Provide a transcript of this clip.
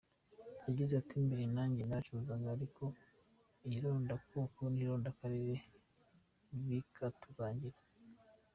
Yagize ati “Mbere nanjye naracuruzaga ariko irondakoko n’irondakarere bikatuvangira.